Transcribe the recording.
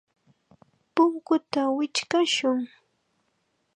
Punkuta wichqashun.